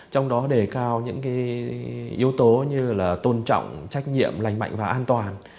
trong đó đề cao những yếu tố như là tôn trọng trách nhiệm lành mạnh và an toàn